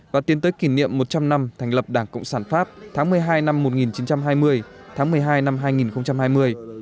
và tiến tới kỷ niệm một trăm linh năm thành lập đảng cộng sản pháp tháng một mươi hai năm một nghìn chín trăm hai mươi tháng một mươi hai năm hai nghìn hai mươi